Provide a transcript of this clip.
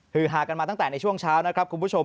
ฮากันมาตั้งแต่ในช่วงเช้านะครับคุณผู้ชม